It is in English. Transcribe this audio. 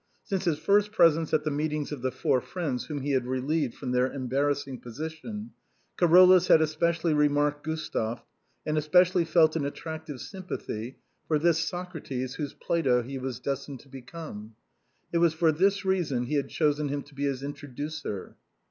Since his first presence at the meetings of the four friends whom he had relieved from their embarrassing position, Carolus had especially remarked Gustave, and already felt an attractive sympathy for this Socrates whose Plato he was destined to become. It was for this reason he had chosen him to be his intro ducer.